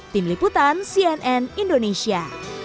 tim liputan cnn indonesia